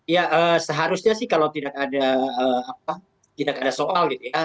ya seharusnya sih kalau tidak ada soal gitu ya